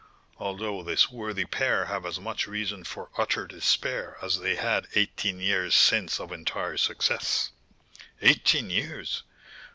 Although this worthy pair have as much reason for utter despair as they had eighteen years since of entire success " "Eighteen years!